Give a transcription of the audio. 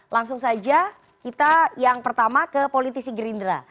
langsung saja kita yang pertama ke politisi gerindra